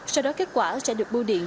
sau đó kết quả sẽ được bu điện